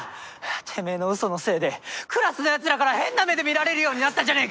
てめえの嘘のせいでクラスの奴らから変な目で見られるようになったじゃねえか！